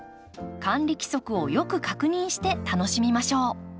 管理規則をよく確認して楽しみましょう。